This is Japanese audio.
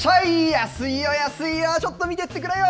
安いよ、安いよ、ちょっと見てってくれよ。